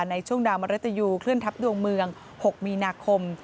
ในช่วงดาวมริตยูเคลื่อนทัพดวงเมือง๖มีนาคม